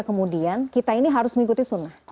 kemudian kita ini harus mengikuti sunnah